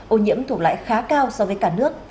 ô nhiễm thuộc lại khá cao so với cả nước